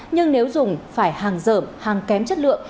nhưng nếu dùng phải hàng dởm hàng kém chất lượng